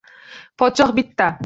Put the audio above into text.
Podshoh bitta